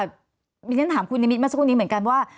ในเมียถ้้าถามครูนิมิตรเมื่อสักครู่นี้เหมือนกันว่า